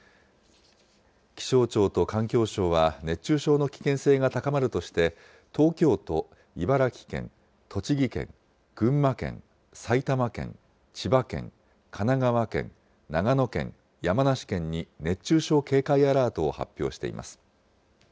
気象庁と環境省は、熱中症の危険性が高まるとして、東京都、茨城県、栃木県、群馬県、埼玉県、千葉県、神奈川県、長野県、山梨県に熱中症警戒アラートを発表しています。